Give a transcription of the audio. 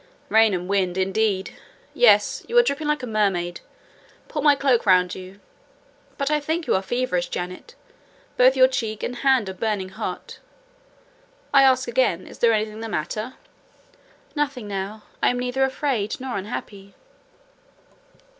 "Rain and wind, indeed! Yes, you are dripping like a mermaid; pull my cloak round you: but I think you are feverish, Jane: both your cheek and hand are burning hot. I ask again, is there anything the matter?" "Nothing now; I am neither afraid nor unhappy."